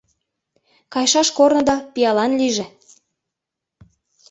— Кайышаш корныда пиалан лийже!